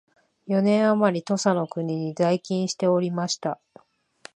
四年あまり土佐の国に在勤しておりました